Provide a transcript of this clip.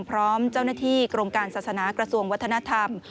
พร้อมเจ้าหน้าที่กรมการศาสนากระทรวงวัฒนธรรม